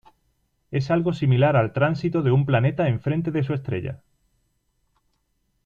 Es algo similar al tránsito de un planeta en frente de su estrella.